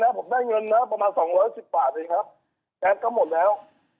จนกลงนี้ผมได้เงินประมาณสองร้อยสิบบาทเองครับจรักษาก็หมดแล้ว